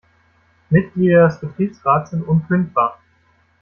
Mitglieder des Betriebsrats sind unkündbar.